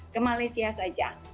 ke malaysia saja